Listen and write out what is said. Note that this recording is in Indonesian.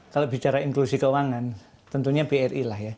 kalau bicara inklusi keuangan tentunya bri lah ya